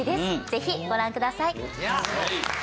ぜひご覧ください。